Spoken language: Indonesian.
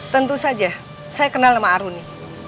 tentu saja saya kenal sama aruni